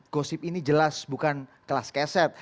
gosip ini jelas bukan kelas keset